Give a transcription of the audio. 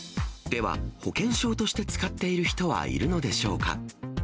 では、保険証として使っている人はいるのでしょうか。